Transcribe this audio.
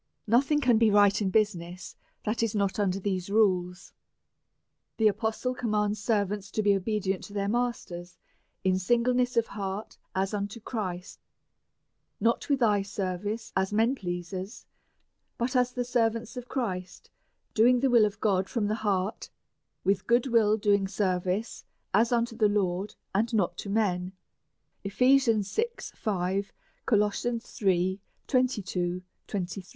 Nothing can be right in business that is not under these rules. The apostle commands ser vants to be obedient to their masters, in singleness of heart, as unto Christ ; not with e^e service, as men pleasers, but as the servants of Christ, doing the will of God from the heart ; with good will doing sei"ciceas un to the Lord, and not unto men, Eph. vi. 5. Col. iii. 22, 23. DEVOUT AND HOLY LIFE.